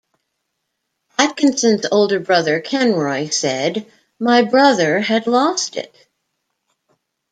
Atkinson's older brother Kenroy said My brother had lost it.